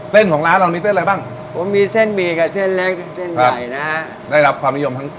เส้นของร้านเรามีเส้นอะไรบ้าง